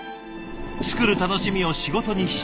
つくる楽しみを仕事にしたい。